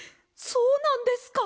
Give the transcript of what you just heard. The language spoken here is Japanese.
そうなんですか？